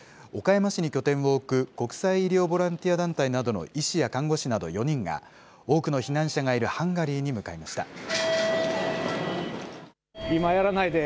岡山市に拠点を置く国際医療ボランティア団体などの医師や看護師など４人が、多くの避難者がいるハンガリーに向かいました。